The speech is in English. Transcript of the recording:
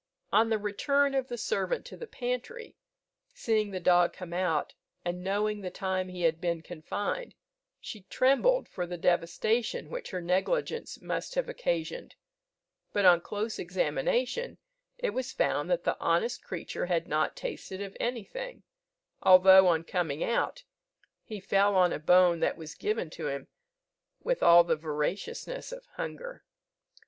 On the return of the servant to the pantry, seeing the dog come out, and knowing the time he had been confined, she trembled for the devastation which her negligence must have occasioned; but, on close examination, it was found that the honest creature had not tasted of anything, although, on coming out, he fell on a bone that was given to him, with all the voraciousness of hunger.